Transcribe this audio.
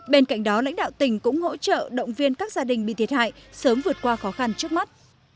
bên cạnh đó lãnh đạo tỉnh cũng hỗ trợ động viên các gia đình bị thiệt hại sớm vượt qua khó khăn trước mắt